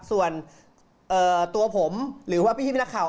ส่วนตัวผมหรือว่าพี่นักข่าว